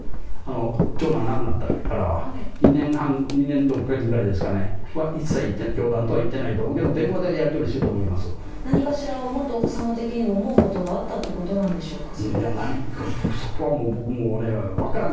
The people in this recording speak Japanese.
長男が亡くなってからは、２年半、２年６か月ぐらいですかね、一切教団は行ってないと思いますけど、電話でやり取りしてると思何かしら、元奥様的にも思うことがあったということなんでしょうか。